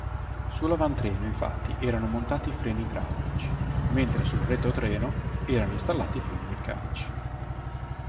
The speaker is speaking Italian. Sull'avantreno infatti erano montati freni idraulici, mentre sul retrotreno erano installati freni meccanici.